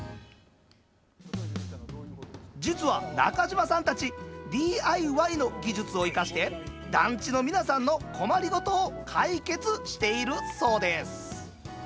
実は、中島さんたちＤＩＹの技術を生かして団地の皆さんのお困りごとを解決しているそうです。